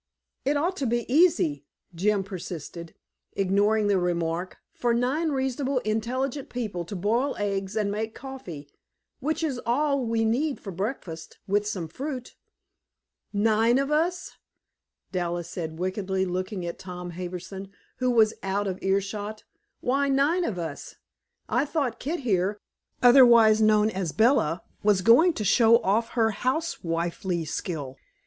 "It ought to be easy," Jim persisted, ignoring the remark, "for nine reasonably intelligent people to boil eggs and make coffee, which is all we need for breakfast, with some fruit." "Nine of us!" Dallas said wickedly, looking at Tom Harbison, who was out of earshot, "Why nine of us? I thought Kit here, otherwise known as Bella, was going to show off her housewifely skill."